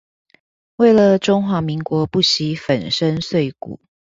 為了中華民國不惜粉身碎骨